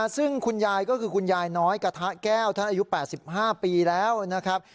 ซึ่งคุณยายก็คือคุณยายน้อยกระทะแก้วท่านอายุ๘๕ปีแล้วนะครับ